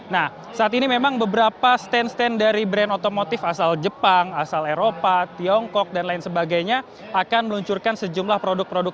nah saat ini memang beberapa stand stand dari brand otomotif asal jepang asal eropa tiongkok dan lain sebagainya akan meluncurkan sejumlah produk produk